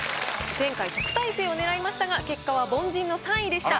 前回特待生を狙いましたが結果は凡人の３位でした。